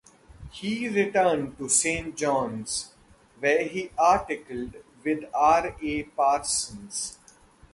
He returned to Saint John's, where he articled with R. A. Parsons.